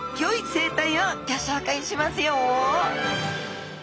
生態をギョ紹介しますよ！